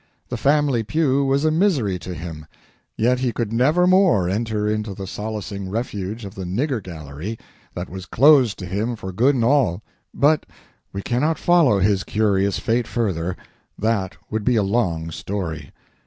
The family pew was a misery to him, yet he could nevermore enter into the solacing refuge of the "nigger gallery" that was closed to him for good and all. But we cannot follow his curious fate further that would be a long story.